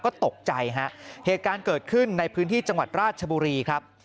ก็ตกใจฮะเหตุการณ์เกิดขึ้นในพื้นที่จังหวัดราชบุรีครับ